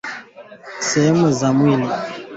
sehemu za mwili